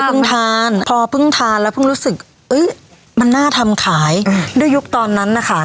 ทานพอเพิ่งทานแล้วเพิ่งรู้สึกมันน่าทำขายด้วยยุคตอนนั้นนะคะ